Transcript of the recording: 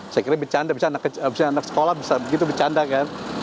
saya kira becanda bisa anak sekolah begitu becanda kan